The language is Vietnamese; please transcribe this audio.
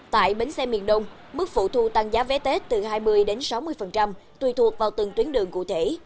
tại bến xe miền đông mức phụ thu tăng giá vé tết từ hai mươi sáu mươi tùy thuộc vào từng tuyến đường cụ thể